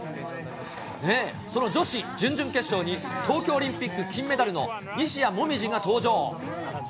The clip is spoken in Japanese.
その女子準々決勝に、東京オリンピック金メダルの西矢椛が登場。